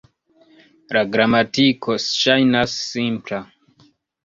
La gramatiko ŝajnas simpla.